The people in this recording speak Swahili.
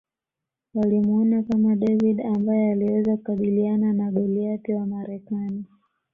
Walimuona kama David ambaye aliweza kukabiliana na Goliath wa Marekani